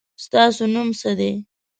ستاسو نوم څه دی؟